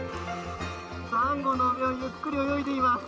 サンゴの海をゆっくり泳いでいます。